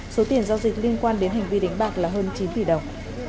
số tiền giao dịch liên quan đến hành vi đánh bạc là hơn chín tỷ đồng